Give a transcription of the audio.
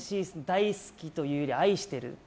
大好きというより愛してる。